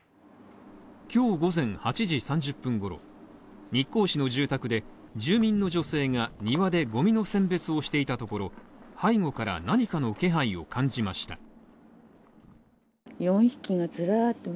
今日午前８時３０分ごろ、日光市の住宅で、住民の女性が庭でゴミの選別をしていたところ、背後から何かの気配を感じました。